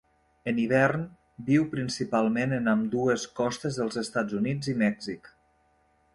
En hivern viu principalment en ambdues costes dels Estats Units i Mèxic.